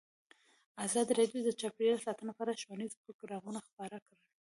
ازادي راډیو د چاپیریال ساتنه په اړه ښوونیز پروګرامونه خپاره کړي.